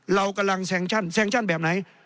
เรากำลังแซงชั่นแบบไหน